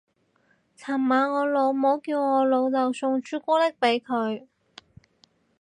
尋晚我老母叫我老竇送朱古力俾佢